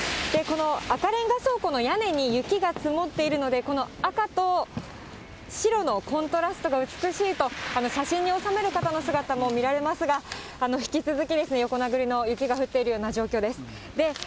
この赤レンガ倉庫の屋根に雪が積もっているので、この赤と白のコントラストが美しいと、写真に収める人の姿も見られますが、引き続き、横殴りの雪が降っているような状況です。